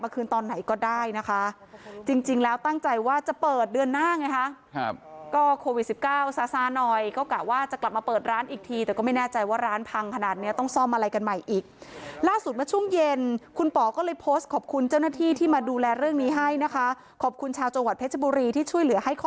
คืนตอนไหนก็ได้นะคะจริงจริงแล้วตั้งใจว่าจะเปิดเดือนหน้าไงคะครับก็โควิดสิบเก้าซาซาหน่อยก็กะว่าจะกลับมาเปิดร้านอีกทีแต่ก็ไม่แน่ใจว่าร้านพังขนาดเนี้ยต้องซ่อมอะไรกันใหม่อีกล่าสุดเมื่อช่วงเย็นคุณป๋อก็เลยโพสต์ขอบคุณเจ้าหน้าที่ที่มาดูแลเรื่องนี้ให้นะคะขอบคุณชาวจังหวัดเพชรบุรีที่ช่วยเหลือให้ค